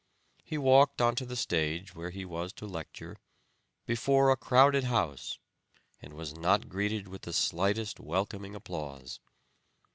He walked onto the stage where he was to lecture, before a crowded house, and was not greeted with the slightest welcoming applause.